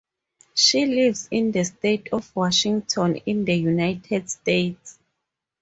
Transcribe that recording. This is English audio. She lives in the state of Washington in the United States.